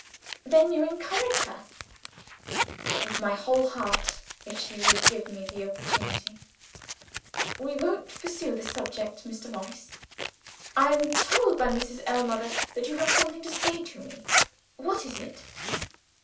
"Then you encourage her?" "With my whole heart if she would give me the opportunity!" "We won't pursue the subject, Mr. Morris. I am told by Mrs. Ellmother that you have something to say to me. What is it?"